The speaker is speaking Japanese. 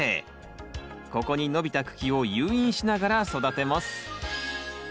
ここに伸びた茎を誘引しながら育てます。